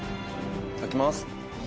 頂きます。